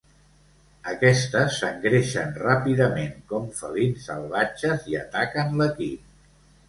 Aquestes s'engreixen ràpidament com felins salvatges i ataquen l'equip.